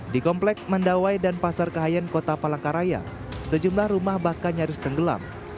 di komplek mandawai dan pasar kahayan kota palangkaraya sejumlah rumah bahkan nyaris tenggelam